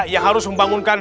yang harus membangunkan